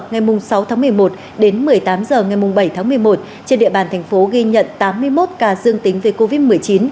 ngày sáu tháng một mươi một đến một mươi tám h ngày bảy tháng một mươi một trên địa bàn thành phố ghi nhận tám mươi một ca dương tính về covid một mươi chín